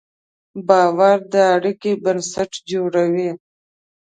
باور د اړیکې بنسټ جوړوي.